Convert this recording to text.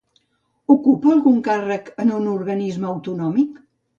Ocupa algun càrrec en un organisme autonòmic?